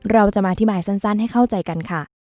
เราจะมาอธิบายสั้นให้เข้าใจกันค่ะ